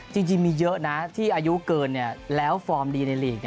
จริงมีเยอะนะที่อายุเกินแล้วฟอร์มดีในลีก